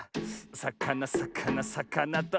さかなさかなさかなと。